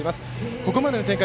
ここまでの展開